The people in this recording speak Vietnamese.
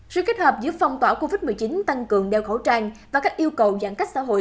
sự kết hợp giữa phong tỏa covid một mươi chín tăng cường đeo khẩu trang và các yêu cầu giãn cách xã hội